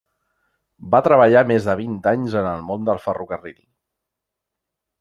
Va treballar més de vint anys en el món del ferrocarril.